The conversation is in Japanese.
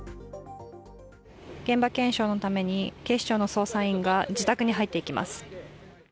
現場検証のために警視庁の捜査員が自宅に入っていきます。